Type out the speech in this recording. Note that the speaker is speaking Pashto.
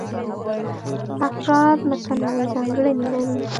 افراد متنوع ځانګړنې لري.